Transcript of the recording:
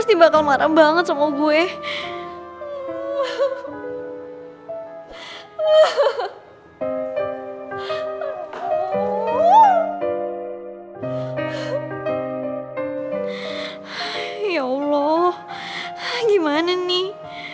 ya allah gimana nih